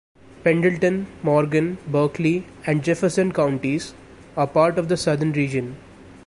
Pendleton, Morgan, Berkeley and Jefferson counties, are part of the Southern Region.